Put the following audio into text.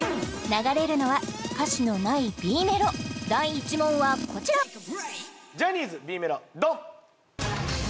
流れるのは歌詞のないＢメロ第１問はこちらジャニーズＢメロドン！